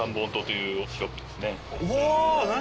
お何？